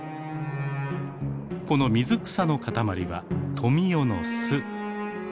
この水草の塊はトミヨの巣。